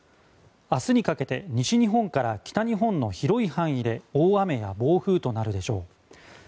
明日にかけて西日本から北日本の広い範囲で大雨や暴風となるでしょう。